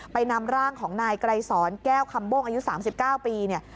ไปนำร่างของนายไกรสรแก้วคำโบ้งอายุ๓๙ปี